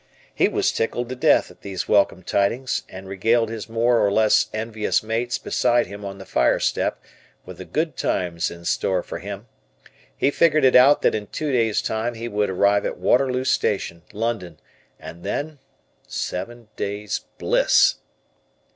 He was tickled to death at these welcome tidings and regaled his more or less envious mates beside him on the fire step with the good times in store for him. He figured it out that in two days' time he would arrive at Waterloo Station, London, and then seven days' bliss!